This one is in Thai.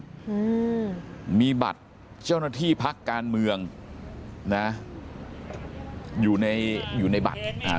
อืมมีบัตรเจ้าหน้าที่พักการเมืองนะอยู่ในอยู่ในบัตรอ่า